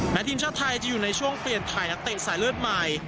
แม้ทีมชาติไทยอยู่ในช่วงเปลี่ยนไทยและเตะใส่เลือดใหม่